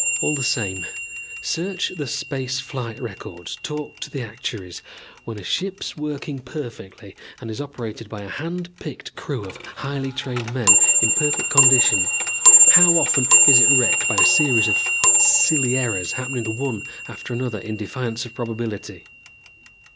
"All the same, search the space flight records, talk to the actuaries. When a ship is working perfectly and is operated by a hand picked crew of highly trained men in perfect condition, how often is it wrecked by a series of silly errors happening one after another in defiance of probability?